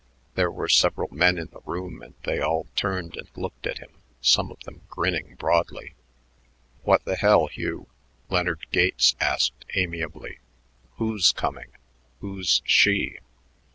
There were several men in the room, and they all turned and looked at him, some of them grinning broadly. "What th' hell, Hugh?" Leonard Gates asked amiably. "Who's coming? Who's she?"